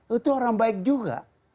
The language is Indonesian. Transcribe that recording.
itu orang baik juga